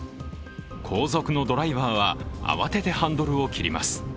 後続のドライバーは慌ててハンドルを切ります